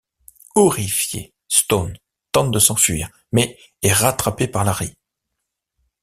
Horrifié, Stone tente de s'enfuir mais est rattrapé par Larry.